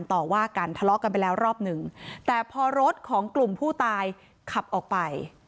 ต่อว่ากันทะเลาะกันไปแล้วรอบหนึ่งแต่พอรถของกลุ่มผู้ตายขับออกไป